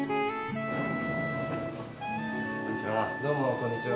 こんにちは。